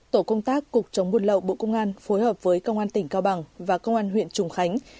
tổ công tác cục chống buôn lậu bộ công an phối hợp với công an tỉnh cao bằng và công an huyện trùng khánh